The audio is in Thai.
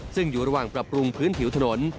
ซึ่งอยู่ระหว่างปรับปรุงพื้นผิวถนน